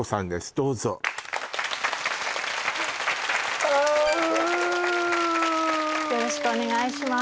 どうぞああよろしくお願いします